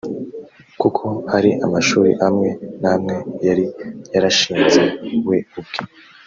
kuko hari amashuri amwe namwe yari yarashinze we ubwe